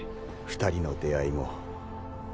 ２人の出会いも。